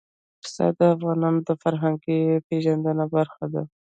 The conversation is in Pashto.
پسه د افغانانو د فرهنګي پیژندنې برخه ده.